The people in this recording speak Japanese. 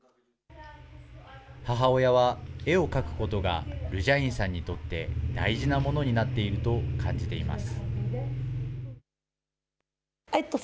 母親は絵を描くことがルジャインさんにとって、大事なものになっていると感じています。